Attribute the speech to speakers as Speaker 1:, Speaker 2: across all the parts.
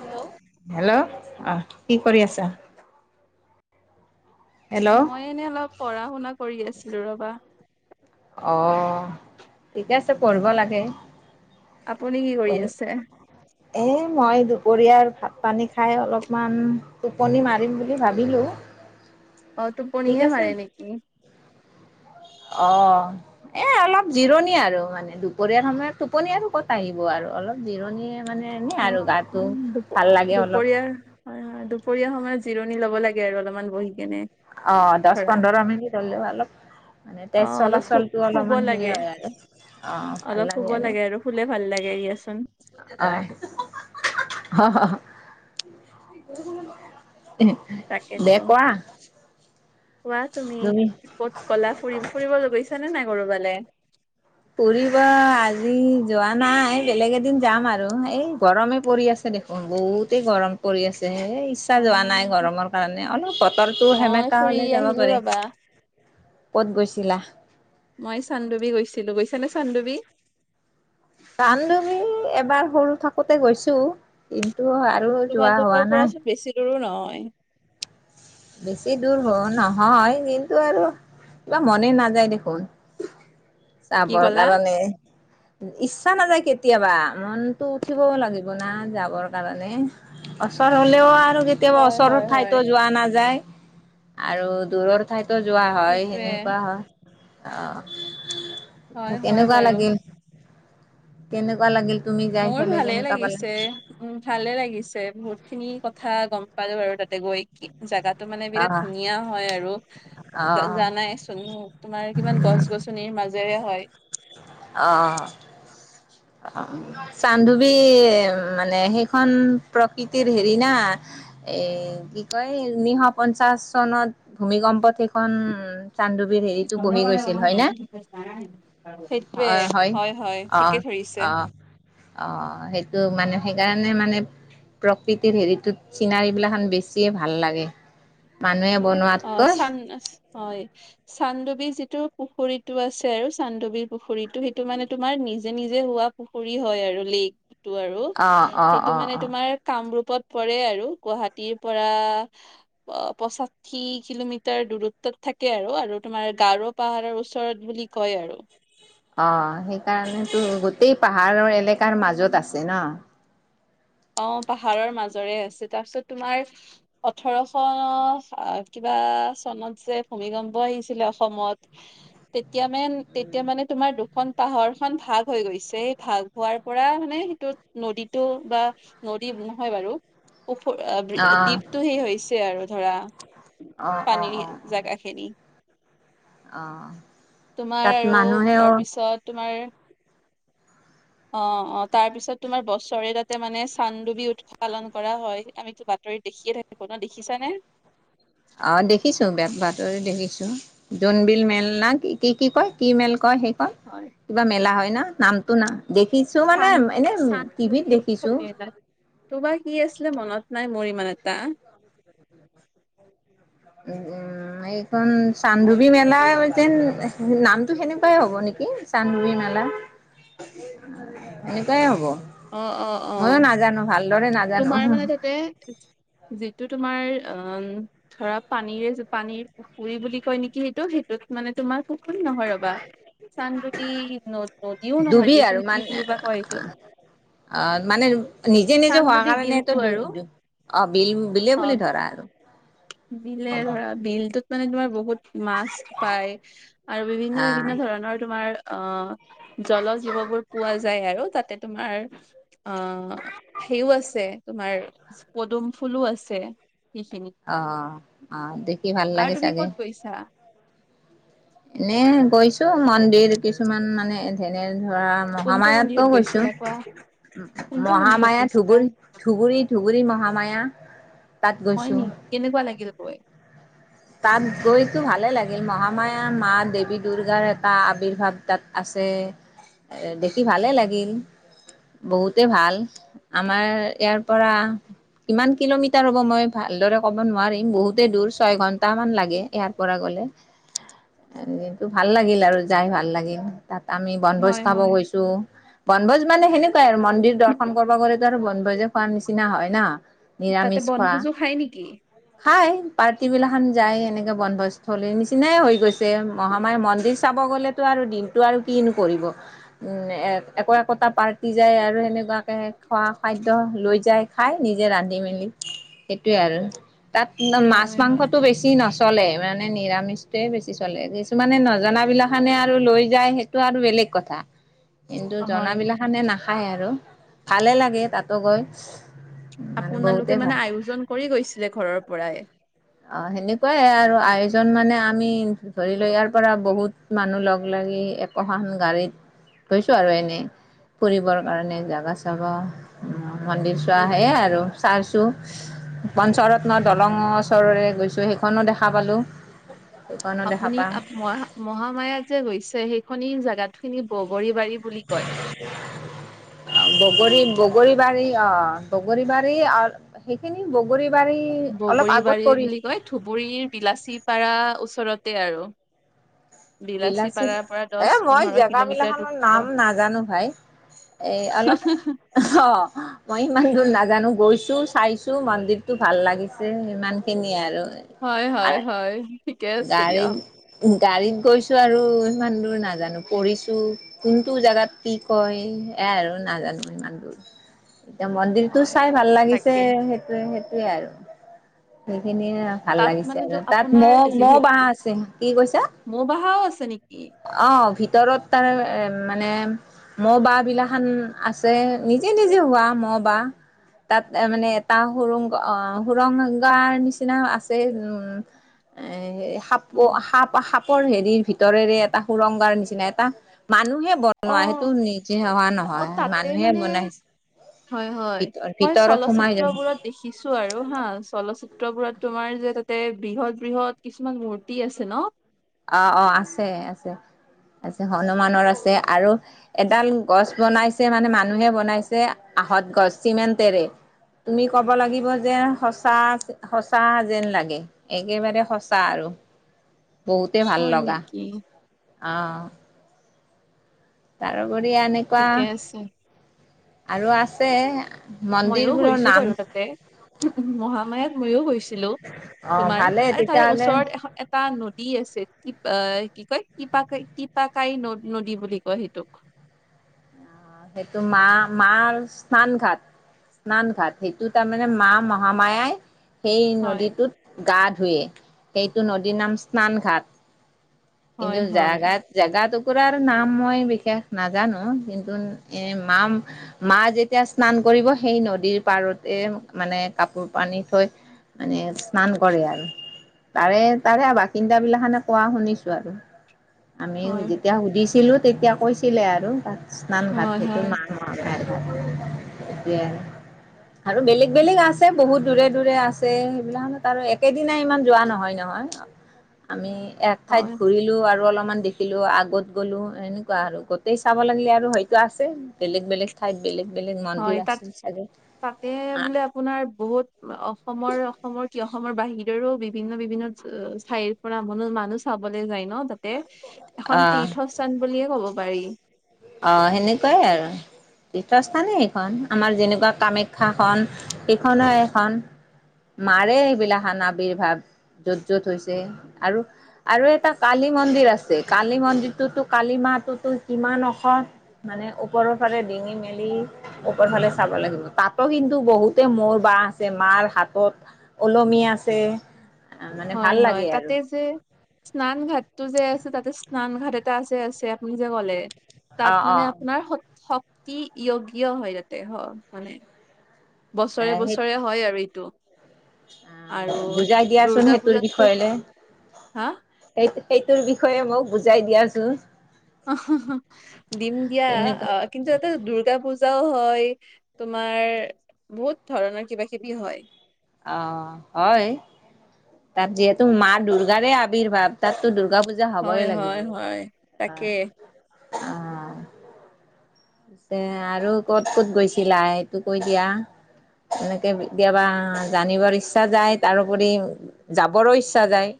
Speaker 1: Hello
Speaker 2: hello অ' কি কৰি আছা? হেল্ল'
Speaker 1: মই এনেই অলপ পঢ়া শুনা কৰি আছিলো ৰবা।
Speaker 2: অ', ঠিকে আছে পঢ়িব লাগে।
Speaker 1: আপুনি কি কৰি
Speaker 2: পঢ়ি
Speaker 1: আছে?
Speaker 2: এ মই দুপৰীয়াৰ ভাত পানী খাই অলপমান টোপনি মাৰিম বুলি ভাবিলো।
Speaker 1: অ'
Speaker 2: ঠিক
Speaker 1: টোপনিহে
Speaker 2: আছে
Speaker 1: মাৰে নেকি?
Speaker 2: অ' এ অলপ জিৰণি আৰু মানে দুপৰীয়াৰ সময়ত টোপনি আৰু ক'ত আহিব আৰু। অলপ জিৰণি মানে এনেই
Speaker 1: অ'
Speaker 2: আৰু গাটো ভাল লাগে অলপ
Speaker 1: দুপৰীয়াৰ হয় হয় দুপৰীয়া সময়ত জিৰণি লব লাগে। আৰু অলপমান বহি কেনে,
Speaker 2: অ দহ
Speaker 1: ধৰা।
Speaker 2: পোন্ধৰ মিনিট হ'লেও অলপ মানে তেজ
Speaker 1: অ' অলপ শু
Speaker 2: চলাচলটো
Speaker 1: শুব
Speaker 2: অলপমান হেৰি
Speaker 1: লাগে।
Speaker 2: হয় আৰু
Speaker 1: অলপ শুব লাগে আৰু শুলে ভাল লাগে দিয়া চোন।
Speaker 2: অ' এ লে
Speaker 1: তাকেতো
Speaker 2: কোৱা।
Speaker 1: কোৱা তুমি কত গলা ফুৰি, ফুৰিব গৈছা নে নাই কৰবালে?
Speaker 2: পঢিবা আজি যোৱা নাই বেলেগ এদিন যাম আৰু এই গৰমেই পৰি আছে দেখোন বহুতেই গৰম পৰি আছে। ইচ্ছা
Speaker 1: অ
Speaker 2: যোৱা নাই গৰমৰ কাৰণে অলপ বতৰটো
Speaker 1: মই
Speaker 2: সেমেকা
Speaker 1: ফুৰি
Speaker 2: হলে যাব
Speaker 1: আহিলো
Speaker 2: পাৰি।
Speaker 1: ৰবা
Speaker 2: কত গৈছিলা?
Speaker 1: মই চান্দুবি গৈছিলো, গৈছে নে চান্দুবি?
Speaker 2: চান্দুবি এবাৰ সৰু থাকোতে গৈছো। তটো আৰু যোৱা হোৱা নাই।
Speaker 1: হয়।
Speaker 2: বেছি দূৰ হ নহয় কিন্তু আৰু কিবা মনে নাযায় দেখোন।
Speaker 1: কি
Speaker 2: চাবৰ
Speaker 1: ক'লা
Speaker 2: কাৰণে, ইচ্ছা নাযায় কেতিয়া কেতিয়াবা মনতো উঠিবও লাগিব না যাবৰ কাৰণে ওচৰ হলেও আৰু। কেতিয়াবা
Speaker 1: হয়
Speaker 2: ওচৰৰ
Speaker 1: হয় হয়
Speaker 2: ঠাইতো যোৱা নাযায় আৰু দূৰৰ ঠাইত যোৱা হয়
Speaker 1: সেইটোৱে
Speaker 2: সেনেকুৱা হয়,
Speaker 1: হয়
Speaker 2: অ'।
Speaker 1: হয়
Speaker 2: কেনেকুৱা
Speaker 1: বাৰু
Speaker 2: লাগিল কেনেকুৱা লাগিল তুমি যাই
Speaker 1: মোৰ
Speaker 2: পেলাই
Speaker 1: ভালে
Speaker 2: কেনেকুৱা পালা
Speaker 1: লাগিছে উ ভালে লাগিছে বহুত খিনি কথা গম পালো বাৰু তাতে গৈ কি জাগাত মানে বিৰাট
Speaker 2: অ
Speaker 1: ধুনীয়া হয় আৰু
Speaker 2: অ
Speaker 1: জানাই চোন তোমাৰ কিমান গছ গছনিৰ মাজেৰে হয়।
Speaker 2: আহঁ। চানধোৱী মানে সেইখন প্ৰকৃতিৰ হেৰি না এ কি কয় উনৈশ পঞ্চাশ চনত ভূমিকম্প শেষ এখন চানডুবি হেৰিতটো বহি গৈছিল হয় না?
Speaker 1: সেইটোৱে
Speaker 2: অ হয় অ
Speaker 1: ঠিকে ধৰিছে
Speaker 2: অ অ সেইটো মানে সেইকাৰণে মানে প্ৰকৃতিৰ হেৰিটোত চিনাৰী বিলাক বেছিয়ে ভাল লাগে মানুহে
Speaker 1: অ
Speaker 2: বনোৱাতকৈ
Speaker 1: চান্ হয় চানডুবি যিটো পুখুৰীতটো আছে আৰু চান্দবীৰ পুখুৰীতটো সেইটো মানে তুমাৰ নিজে নিজে হোৱা পুখুৰী হয় আৰু লেকটো আৰু
Speaker 2: অ অ
Speaker 1: সেইটো
Speaker 2: অ
Speaker 1: মানে
Speaker 2: অ
Speaker 1: তোমাৰ কামৰূপ ত পৰে আৰু গুৱাহাটীৰ পৰা অ পঁচাশি কিলোমিটাৰ দূৰত্বত থাকে আৰু তোমাৰ গাঁৱৰ পাহাৰৰ ওচৰত বুলি কয় হেৰী
Speaker 2: অ সেইকাৰণেতো গোটেই পাহাৰৰ এলেকাৰ মাজত আছে ন
Speaker 1: অ পাহাৰৰ মাজৰে আছে তাৰপিছত তোমাৰ ওঠৰশ কিবা চনত যে ভূমিকম্প আহিছিলে অসমত তেতিয়া মান তেতিয়া মানে তোমাৰ দুখন পাহৰ খন ভাগ হৈ গৈছে এই ভাগ হোৱাৰ পৰা মানে সেইটো নদীতটো বা নদী নহয় বাৰু ওফ
Speaker 2: অ
Speaker 1: দ্বীপটো সেই হৈছে আৰু ধৰা
Speaker 2: অ অ অ
Speaker 1: পানীৰ জাগাখেদি
Speaker 2: অ অ
Speaker 1: তোমাৰ
Speaker 2: তাত
Speaker 1: আৰু
Speaker 2: মানুহেও
Speaker 1: তাৰপিছত তোমাৰ অ অ তাৰপিছত তোমাৰ বছৰে তাতে মানে চান্দুবি উৎস পালন কৰা হয় আমিতো বাতৰিত দেখিয়ে থাকিব ন দেখিছানে
Speaker 2: অ দেখিছো বেয়া ভাৰ দেখিছো জোনবিল মেল না কি কি কি কয় কি মেল কয়েই
Speaker 1: হয়
Speaker 2: কিবা মেলা হয় না নামটোো না দেখিছো মানে এনে
Speaker 1: উসৱ
Speaker 2: টিভিত দেখিছো
Speaker 1: মাত তোমাৰ কি আছিলে মনত াত নাই মোৰ ইমান এটা
Speaker 2: উম এইখন চান্দবী মেলাৰ যেন নামটো সেনেকুৱাই হ'ব নেকি চান্দুৰী মালা এনেকুৱাই হ'ব
Speaker 1: অ অ অ
Speaker 2: ময়ো নাজানো ভালদৰে নাজানো
Speaker 1: তোমাৰ মানে তাতে যিটো তোমাৰ অ ধৰা পানীৰে পানীৰ পুখুৰী বুলি কয় নেকি সেইটো সেইটোত মানে তোমাৰ পুুৰী নহয় ৰবা চানবদি ন নদীও নহয়
Speaker 2: ডুবি
Speaker 1: দিয়চোন
Speaker 2: আৰু
Speaker 1: কি
Speaker 2: মানে
Speaker 1: বুলিিবা কয় এইটো
Speaker 2: অ মানে নিজে নিজে হোৱা
Speaker 1: চানডুবি বিলটো
Speaker 2: কাৰণেটো দু
Speaker 1: আৰু
Speaker 2: অ বিল বিলে
Speaker 1: অ
Speaker 2: বুলি ধৰা আৰু
Speaker 1: বিলে ধৰা বিলটোত মানে তোমাৰ বহুত মাাস্ পাই আৰু বিভিন্ন
Speaker 2: আহ
Speaker 1: বিভিন্ন ধৰণৰ তোমাৰ অ জল জীৱ বোৰ পোৱা যায় আৰু তাতে তোমাৰ অ সেইও আছে তোমাৰ পদুম ফুলো আছে সেইখিনি
Speaker 2: আহ আহ দেখি ভাল
Speaker 1: আৰু
Speaker 2: লাগে
Speaker 1: তুমি
Speaker 2: চাগে
Speaker 1: ক'ত গৈছা
Speaker 2: এনে গৈছো মন্দিৰ কিছুমান মানে ধেনে ধৰা
Speaker 1: কোনটো
Speaker 2: মহামায়তকো
Speaker 1: মন্দিৰত
Speaker 2: গৈছো
Speaker 1: গৈছিলা কোৱা কোনটো মন্দিৰত
Speaker 2: মহামায়া
Speaker 1: গৈছিলা
Speaker 2: ধুবুৰী ধুবুৰী ধুবুৰী মহামায়া তাত
Speaker 1: হয়
Speaker 2: গৈছো।
Speaker 1: নিকি কেনেকুৱা লাগিল কৈ
Speaker 2: তাত গৈতো ভালে লাগিল মহামায়া মা দেৱী দুৰ্গাৰ এটা আৱিৰ্ভাৱ তাত আছে দেখি ভালেই লাগিল বহুতে ভাল আমাৰ ইয়াৰ পৰা কিমান কিলোমিটাৰ হ'ব মই ভালদৰে ক'ব নোৱাৰিম বহুতেই দূৰ ছয় ঘন্টা সটামান লাগে ইয়াৰ পৰা গ'লে কিন্তু ভাল লাগিল আৰু যাই ভাল লাগিল তাত আমি বনভোজ
Speaker 1: হয়
Speaker 2: খাব
Speaker 1: হয়
Speaker 2: গৈছো বনভোজ মানে সেনেকুৱাই আৰু মন্দিৰ দৰ্শন কৰিব গতো আৰু বনভোজ যে খোৱাৰ নিচিনা হয় না
Speaker 1: তাতে
Speaker 2: নিৰামিষ খোৱা
Speaker 1: বনভোজো খাই নেকি
Speaker 2: খাই পাৰ্টি বিলাখান যাই এনেকে বন্ধস্থলীৰ নিচিনাই হৈ গৈছে মহামায় মন্দিৰ চাব গ'লেতো আৰু দিনতটো আৰু কি কিনো কৰিব একো একোটা পাৰ্টি যায় আৰু সেনেকুৱাকে খোৱা খাদ্য লৈ যাই খাই নিজে ৰান্ধি মেলি সেইটোৱে আৰু তাত মাছ
Speaker 1: হয় হয়
Speaker 2: মাংসটো বেছি নচলে মানে নিৰামিষয়ে বেছি চলে কিছুমানে নজানাবিলাখানে আৰু লৈ যায় সেইটো আৰু বেলেগ কথা কিন্তু
Speaker 1: হয়
Speaker 2: জনাবিলাখানে নাখায় আৰু ভালে লাগে তাতো গৈ মানে বহুতে
Speaker 1: আপোনালোকে মানে
Speaker 2: ভাল
Speaker 1: আয়োজন কৰি গৈছিলে ঘৰৰ পৰাই
Speaker 2: অ সেনেকুৱাই আৰু আয়োজন মানে আমি ধৰি লও ইয়াৰ পৰা বহুত মানুহ লগ লাগি একোখন গাড়ীত ধৈছো আৰু এনে ফুৰিবৰ কাৰণে জাগা চাবা মন্দিৰ চোৱা সেয়ে আৰু চাইছো পঞ্চৰৰত্ন দলং ওচৰৰে গৈছোঁ সেইখনো দেখা পালোঁ সেইখনো দেখা
Speaker 1: আপুনি
Speaker 2: পাওঁ
Speaker 1: মহ মহামায়া যে গৈছে সেইখনি জোগাত খিনি বগৰী বুলি কয়
Speaker 2: বগৰী বগৰী বাৰী অ বগৰী বাৰী অ সেইখিনি বগৰী বাৰী অলপ আগত
Speaker 1: বগৰীবাৰী
Speaker 2: পৰি
Speaker 1: বুলি কয় ধুবুৰীৰ বিলাচীপাৰা ওচৰতে আৰু
Speaker 2: বিলাচী
Speaker 1: পাৰাৰ পৰা দহ
Speaker 2: এ মই
Speaker 1: পোন্ধৰ
Speaker 2: জেগা
Speaker 1: কিলোমিটাৰ
Speaker 2: বিলাখনৰ
Speaker 1: দূৰত্ব
Speaker 2: নাম নাজানো ভাই এ অলপ অ মই ইমান দূৰ নাজানো গৈছো চো চাইছো মন্দিৰতো ভাল লাগিছে ইমান খিনিয় আৰু আৰু
Speaker 1: হয় ঠিকে আছে দিয়া
Speaker 2: গাড়ীত গাড়ীত গৈছো আৰু ইমান দূৰ নাজানো পঢ়িছো কোনটো জোগাত কি কয় এ আৰু নাজানো ইমান দূৰ এতিয়া মন্দিৰটো
Speaker 1: হয়
Speaker 2: চাই ভাল লাগিছে
Speaker 1: তাকে
Speaker 2: সেইটোৱে সেইটোয়ে আৰু সেইখিনিয়ে ভাল
Speaker 1: তাত
Speaker 2: লাগিছে
Speaker 1: মানে
Speaker 2: আৰু
Speaker 1: তো
Speaker 2: তাত
Speaker 1: আপোনাৰ
Speaker 2: মোক ম ব
Speaker 1: যিহেতু
Speaker 2: আছে কি কৈছা
Speaker 1: মৌ বাহাও আছে নেকি
Speaker 2: অ ভ ভিতৰত তাৰে এ মানে মহ' বাঁহ বিলা খান আছে নিজে নিজে হোৱা ম' মবাঁ তাত মানে এটা সুৰংগ সুৰংগাৰ নিচিনা আছে উম এ সাপ
Speaker 1: অ
Speaker 2: সাপ সাপৰ হেৰিৰ ভিতৰেৰে এটা সুৰংগাৰ নিচিনা এটা মানুহে বনোৱা সেইটো নিজে হেৱা
Speaker 1: অ
Speaker 2: নহয়
Speaker 1: তাতে
Speaker 2: মানুহে
Speaker 1: মানে
Speaker 2: বনাইছে
Speaker 1: হয় হয়
Speaker 2: ভিত
Speaker 1: মই
Speaker 2: ভিতৰত সোমাই
Speaker 1: চলচিত্ৰ
Speaker 2: যাব।
Speaker 1: বোৰত দেখিছো আৰু হা চলচিত্ৰ সত্ৰবোৰত তোমাৰ যে তাতে বৃহৎ বৃহৎ কিছুমান মূৰ্তি আছে ন
Speaker 2: অ অ আছে আছে আছে হনুমানৰ আছে আৰু এডাল গছ বনাইছে মানে মানুহে বনাইছে আহঁত গছ চিমেণ্টেৰে তুমি ক'ব লাগিব যেন সঁচা সঁচা যেন লাগে একেবাৰে সঁচা আৰু
Speaker 1: [inaudible] হয় নেকি?
Speaker 2: অঁ তাৰোপৰি এনেকুৱা
Speaker 1: ঠিকে আছে
Speaker 2: আৰু আছে
Speaker 1: ময়ো
Speaker 2: মন্দিৰবোৰৰ
Speaker 1: গৈছো
Speaker 2: নাম
Speaker 1: বাৰু তাতে মহামায়াত ময়ো গৈছো ছিলো
Speaker 2: অ
Speaker 1: তোমাৰ
Speaker 2: ভালেই
Speaker 1: আৰু তাৰে
Speaker 2: তেতিয়াহ'লে
Speaker 1: ওচৰত এ এটা নদী আছিল টিপ কি কয় টিপ টিপাকাই ন নদী বুলি কয় সেইটোক [inaudible]
Speaker 2: সেইটো মা-মাৰ স্নান ঘাট। স্নানঘাট সেইটো তাৰমানে মা মহামায়াই। সেই
Speaker 1: হয়
Speaker 2: নদীটোত গা ধোৱে, সেইটো নদীৰ নাম স্নান ঘাট।
Speaker 1: হয়
Speaker 2: কিন্তু
Speaker 1: হয়
Speaker 2: জাগাত জাগাটোক কুকুৰাৰ নাম মই বিশেষ নাজানো কিন্তু এ, মা-মা যেতিয়া স্নান কৰিব সেই নদীৰ পাৰতে মানে কাপোৰ পানি থৈ মানে স্নান কৰে আৰু তাৰে তাৰে আৰু বাসিন্দা বিলাকখানে কোৱা শুনিছো। আৰু আমি
Speaker 1: হয়
Speaker 2: যেতিয়া সুধিছিলোঁ তেতিয়া কৈছিলে আৰু তাত। স্নানঘাট
Speaker 1: হয়
Speaker 2: সেইটো
Speaker 1: হয় হয়
Speaker 2: নামাই এতিয়া আৰু বেলেগ বেলেগ আছে বহুত। দূৰে দূৰে আছে সেইবিলাকত আৰু একেদিনাই ইমান যোৱা নহয় নহয়। আমি এক ঠাইত
Speaker 1: হয়
Speaker 2: ঘূৰিলো আৰু অলপ অকমান দেখিলো আগত গ'লো এনেকুৱা আৰু গোটেই চাব লাগিলে আৰু হয়তো আছে বেলেগ বেলেগ ঠাইত, বেলেগ বেলেগ মন্দিৰ
Speaker 1: হয় তাত,
Speaker 2: আছিল চাগে।
Speaker 1: তাতে বোলে আপোনাৰ বহুত অসমৰ, অসমৰ কি অসমৰ বাহিৰৰো বিভিন্ন বিভিন্ন ঠাইৰ পৰা ম-মানুহ চাব চাবলৈ যায় ন তাতে, এখন
Speaker 2: অ'
Speaker 1: তীৰ্থস্থান বুলিয়ে ক'ব পাৰি।
Speaker 2: অহ' সেনেকুৱাই আৰু। তীৰ্থস্থানেই সেইখন আমাৰ যেনেকুৱা কামাখ্যাখন, সেইখনো এখন। মাৰে এইবিলাসান আবিৰ্ভাৱ। য'ত য'ত হৈছে আৰু, আৰু এটা কালি মন্দিৰ আছে কালি মন্দিৰটোতো কালি মা তাতেটো কিমান ওখ। ওখ, মানে ওপৰৰ ফালে ডিঙি মেলি ওপৰৰ ফালে চাব লাগিব তাতো কিন্তু বহুত মোৰ বা আছে মাৰ হাতত ওলমি আছে। মানে
Speaker 1: হয়
Speaker 2: ভাল
Speaker 1: হয়
Speaker 2: লাগে আৰু
Speaker 1: তাতে যে স্নান ঘাতটো যে আছে তাতে স্নান ঘাত এটা আছে-আছে আপুনি যে ক'লে
Speaker 2: অ
Speaker 1: তাত
Speaker 2: অ
Speaker 1: মানে আপোনাৰ সত শক্তি য়জ্ঞ হয় তাতে, হয় মানে। বছৰে
Speaker 2: সেই
Speaker 1: বছৰে হয় আৰু এইটো। আৰু
Speaker 2: বুজাই দিয়াচোন
Speaker 1: দুৰ্গা
Speaker 2: সেইটোৰ
Speaker 1: পূজাতোতো
Speaker 2: বিষয়েলে সেইটোৰ বিষয়ে মোক বুজাই দিয়াচোন।
Speaker 1: অহ' দিম দিয়া অহ,
Speaker 2: তেনেকুৱা
Speaker 1: কিন্তু এটা দুৰ্গা পুজা পূজাও হয়, তোমাৰ বহুত ধৰণৰ কিবা কিবি হয়।
Speaker 2: অহ' হয়। তাত যিহেতু মা দুৰ্গাৰ আৱিৰ্ভাৱ তাত তো দুৰ্গা পূজা
Speaker 1: হয়
Speaker 2: হ'বই লাগিব।
Speaker 1: হয় হয় তাকে
Speaker 2: অহ, অহ। পিছে আৰু ক'ত ক'ত গৈছিলা এইটো কৈ দিয়া। এনেকে কেতিয়াবা জানিবৰ ইচ্ছা যায়, তাৰোপৰি যাবৰো ইচ্ছা যায়।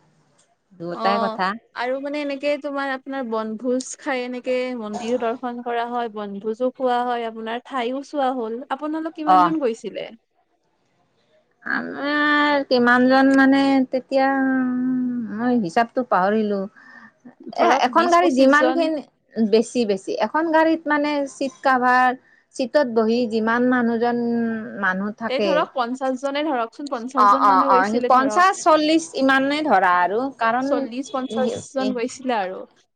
Speaker 2: দুয়োটাই কথা
Speaker 1: অহ' আৰু মানে এনেকে তোমাৰ আপোনাৰ বনভোজ খাই এনেকে কে মন্দিৰো দৰ্শন কৰা হয় বনভোজো খোৱা হয়, আপোনাৰ ঠাইও চোৱা হ'ল। আপোনালোক
Speaker 2: অ'।
Speaker 1: কিমানজন গৈছিলে।
Speaker 2: আমাৰ কিমান জন মানে তেতিয়া মই হিচাপতটো পাহৰিলোঁ। এ,
Speaker 1: ধৰক
Speaker 2: এখন
Speaker 1: বিশ
Speaker 2: গাড়ী
Speaker 1: পঁচিশ জন
Speaker 2: যিমানখিনি। বেছি, বেছি। এখন গাড়ীত মানে চিট কভাৰ চিটত বহি যিমান মানুহজন মানুহ
Speaker 1: এই
Speaker 2: থাকে।
Speaker 1: ধৰক পঞ্চাশ জনে ধৰকচোন পঞ্চাশ
Speaker 2: অহ',
Speaker 1: জন
Speaker 2: অহ',
Speaker 1: মানুহ
Speaker 2: অহ' সি
Speaker 1: গৈছিলে ধৰক
Speaker 2: পঞ্চাশ চল্লিশ ইমানেই ধৰা আৰু। কাৰণ
Speaker 1: চল্লিশ পঞ্চাশ জন গৈছিলে আৰু।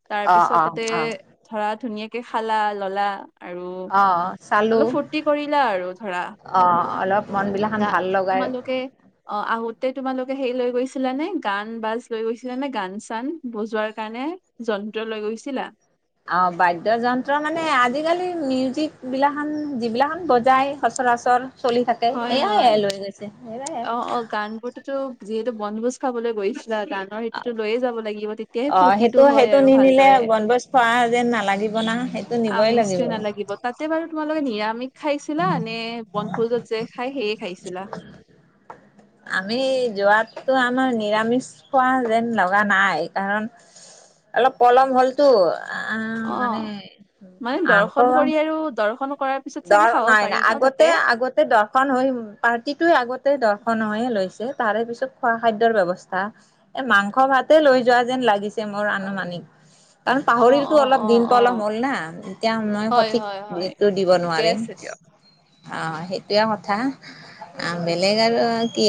Speaker 1: তাৰ
Speaker 2: অ
Speaker 1: পিছত
Speaker 2: অ
Speaker 1: তাতে
Speaker 2: অ
Speaker 1: ধৰা ধুনীয়াকে খালা ললা। আৰু
Speaker 2: অ চালো
Speaker 1: অলপ ফূৰ্তি কৰিলা আৰু ধৰা।
Speaker 2: অ অলপ মন বিলাখান
Speaker 1: দা
Speaker 2: ভাল লগাই
Speaker 1: তোমালোকে আহোতে তে তোমালোকে সেই লৈ গৈছিলা নে, গান বাজ লৈ গৈছিলা নে গান চান বজোৱাৰ কাৰণে যন্ত্ৰ লৈ গৈছিলা?
Speaker 2: অ', বাদ্যযন্ত্ৰ মানে আজিকালি মিউজিক বিলাখান যিবিলাখান বজাই সচৰাচৰ চলি থাকে
Speaker 1: হয়
Speaker 2: এয়াই
Speaker 1: হয়
Speaker 2: এয়াই লৈ গৈছে এয়াই
Speaker 1: অ অ গান বোৰতোতো যিহেতু বনভোজ খাবলৈ গৈ গানৰ হেইতুটো লৈয়ে যাব লাগিব তেতিয়াহে
Speaker 2: অ
Speaker 1: ফূৰ্তিটো
Speaker 2: সেইটো
Speaker 1: হয়
Speaker 2: সেইটো
Speaker 1: আৰু
Speaker 2: নিনিলে
Speaker 1: ভালদৰে
Speaker 2: বনভোজ খোৱা যেন নালাগিব না সেইটো নিবই
Speaker 1: আমেজটো
Speaker 2: লাগিব
Speaker 1: নালাগিব তাতে বাৰু তোমালোকে নিয়া খাইছিলা নে বনভোজত যে খাই সেয়ে খাইছিলা?
Speaker 2: আমি যোৱাতটো আমাৰ নিৰামিষ খোৱা যেন লগা নাই কাৰণ অলপ পলম হ'লতো আহ মানে
Speaker 1: অ', মানে দৰ্শন কৰি আৰু দৰ্শন কৰাৰ পিছত
Speaker 2: দ
Speaker 1: চাগে খাব পাৰি
Speaker 2: নাই-নাই
Speaker 1: ন তাতে
Speaker 2: আগতে-আগতে দৰ্শন হৈ পাৰ্টিটো আগতে দৰ্শন হয়ে লৈছে তাৰে পিছত খোৱা খাদ্যৰ ব্যৱস্থা এহ মাংস ভাতে লৈ যোৱা যেন লাগিছে। মোৰ আনুমানিক কাৰণ
Speaker 1: অ
Speaker 2: পাহৰিলতো
Speaker 1: অ
Speaker 2: অলপ
Speaker 1: অ
Speaker 2: দিন অলপ
Speaker 1: অ
Speaker 2: পলম হ'ল না এতিয়া মই
Speaker 1: হয়
Speaker 2: সঠিক
Speaker 1: হয় হয়
Speaker 2: দিনটো দিব
Speaker 1: ঠিকে
Speaker 2: নোৱাৰিম,
Speaker 1: আছে দিয়ক
Speaker 2: আহ সেইটোৱে কথা বেলেগ আৰু কি